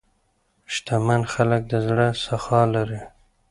شتمن خلک د زړه سخا لري.